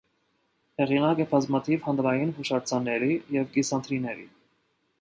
Հեղինակ է բազմաթիվ հանրային հուշարձանների և կիսանդրիների։